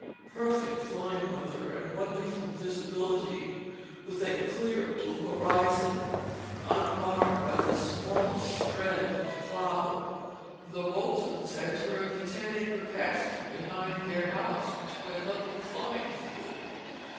Perfect flying weather and wonderful visibility with a clear blue horizon unmarred by the smallest shred of cloud. The Boltons had turned the ten acre pasture behind their house into a level flying field.